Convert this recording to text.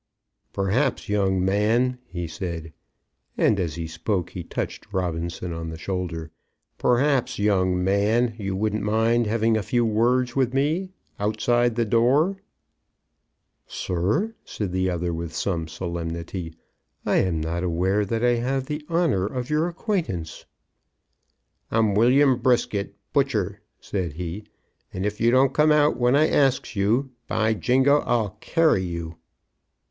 "Perhaps, young man," he said, and as he spoke he touched Robinson on the shoulder, "perhaps, young man, you wouldn't mind having a few words with me outside the door." "Sir," said the other with some solemnity, "I am not aware that I have the honour of your acquaintance." "I'm William Brisket, butcher," said he; "and if you don't come out when I asks you, by jingo, I'll carry you."